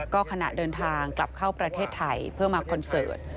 ก็ขณะเดินทางกลับเข้าประเทศไทยเพื่อมาคอนเสิร์ต